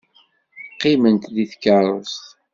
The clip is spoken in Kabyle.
Qqimemt deg tkeṛṛust.